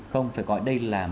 không phải gọi đây là một kỳ án